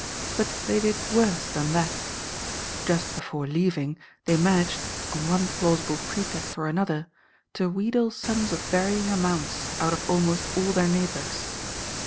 But they did worse than that. Just before leaving, they managed, on one plausible pretext or another, to wheedle sums of varying amounts out of almost all their neighbours.